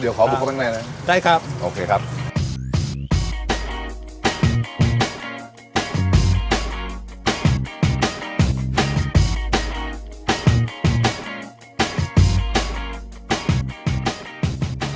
เดี๋ยวขอบุ๊คบ้างในนะครับโอเคครับได้ครับ